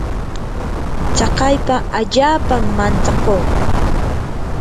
tsakaypa allaapami mantsakuu.